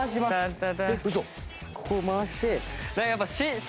ここを回して。